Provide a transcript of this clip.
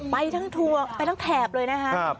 ไปทั้งทัวร์ไปทั้งแถบเลยนะคะ